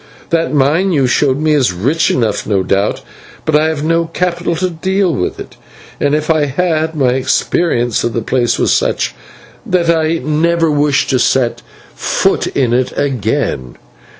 "That mine you showed me is rich enough no doubt, but I have no capital to deal with it, and if I had, my experience of the place was such that I never wish to set foot in it again.